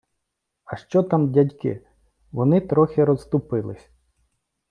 - А що там, дядьки? Вони трохи розступились.